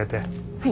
はい。